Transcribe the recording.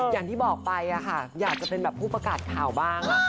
อย่างที่บอกไปอยากจะเป็นแบบผู้ประกาศข่าวบ้าง